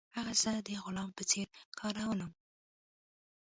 هغه زه د غلام په څیر کارولم.